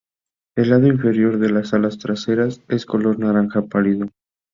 El lado inferior de las alas traseras es color naranja pálido.